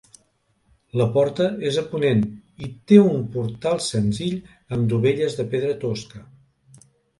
La porta és a ponent, i té un portal senzill amb dovelles de pedra tosca.